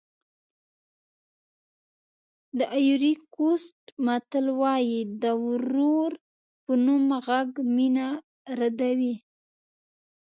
د ایوُري کوسټ متل وایي د ورور په نوم غږ مینه ردوي.